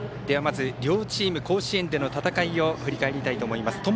では、まず両チーム、甲子園での戦いを振り返りたいと思います。